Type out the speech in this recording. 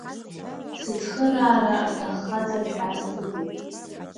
Сыцхыраара рҭаххазар ҳәа сыҟоуп.